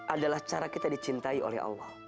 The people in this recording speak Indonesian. adalah cara kita dicintai oleh allah